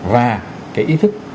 và cái ý thức